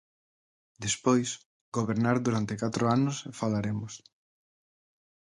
Despois, gobernar durante catro anos e falaremos.